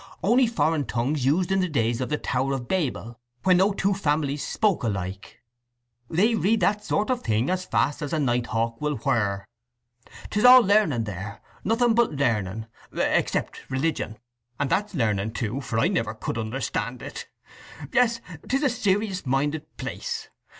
"On'y foreign tongues used in the days of the Tower of Babel, when no two families spoke alike. They read that sort of thing as fast as a night hawk will whir. 'Tis all learning there—nothing but learning, except religion. And that's learning too, for I never could understand it. Yes, 'tis a serious minded place.